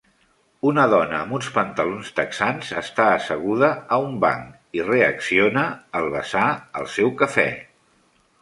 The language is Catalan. Una dona amb uns pantalons texans està asseguda a un banc i reacciona al vessar el seu cafè.